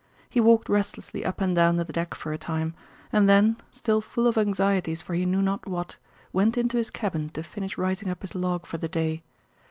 He walked restlessly up and down the deck for a time, and then, still full of anxieties for he knew not what, went into his cabin to finish writing up his log for the day.